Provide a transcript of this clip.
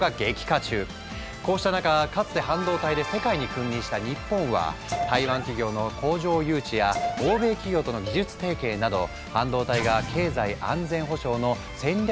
こうした中かつて半導体で世界に君臨した日本は台湾企業の工場誘致や欧米企業との技術提携など半導体が経済安全保障の戦略